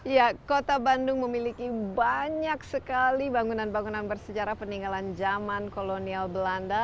ya kota bandung memiliki banyak sekali bangunan bangunan bersejarah peninggalan zaman kolonial belanda